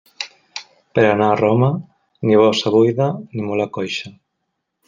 Per anar a Roma, ni bossa buida ni mula coixa.